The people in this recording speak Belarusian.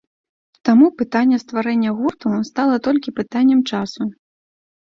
Таму пытанне стварэння гурту стала толькі пытаннем часу.